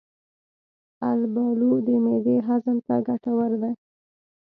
البالو د معدې هضم ته ګټوره ده.